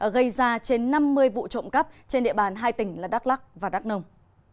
gây ra trên năm mươi vụ trộm cắp trên địa bàn hai tỉnh là đắk lắc và đắk nông